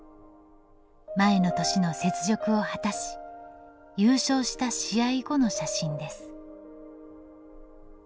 前の年の雪辱を果たし優勝した試合後の写真です。